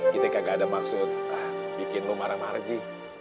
kita nggak ada maksud bikin lo marah marah ji